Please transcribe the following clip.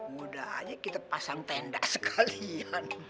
mudah aja kita pasang tenda sekalian